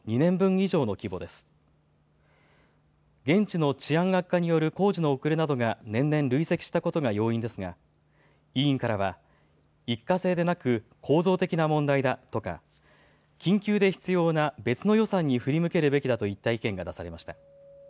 現地の治安の悪化による工事の遅れなどが年々、累積したことが要因ですが委員からは一過性でなく構造的な問題だとか、緊急で必要な別の予算に振り向けるべきだといった意見が出されました。